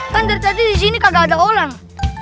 kan dari tadi di sini kagak ada orang